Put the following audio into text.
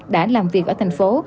đã làm việc ở thành phố